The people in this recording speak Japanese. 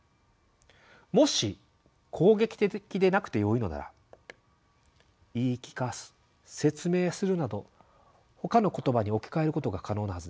もし攻撃的でなくてよいのなら「言い聞かす」「説明する」などほかの言葉に置き換えることが可能なはずです。